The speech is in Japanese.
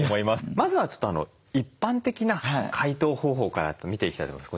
まずはちょっと一般的な解凍方法から見ていきたいと思います。